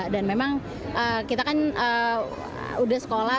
dan memang kita kan udah sekolah